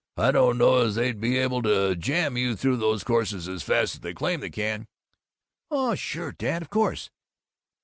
I don't know as they'd be able to jam you through these courses as fast as they claim they can." "Oh sure, Dad; of course."